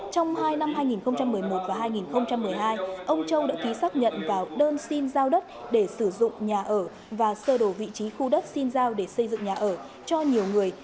trong hai năm hai nghìn một mươi một và hai nghìn một mươi hai ông châu đã ký xác nhận vào đơn xin giao đất để sử dụng nhà ở và sơ đồ vị trí khu đất xin giao để xây dựng nhà ở cho nhiều người